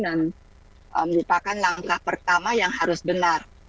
dan melupakan langkah pertama yang harus benar